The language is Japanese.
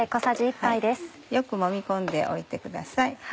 よくもみ込んでおいてください。